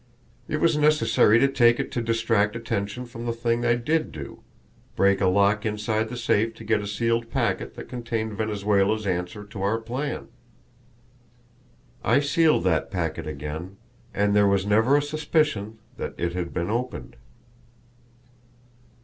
It was necessary to take it to distract attention from the thing I did do break a lock inside the safe to get a sealed packet that contained Venezuela's answer to our plan. I sealed that packet again, and there was never a suspicion that it had been opened."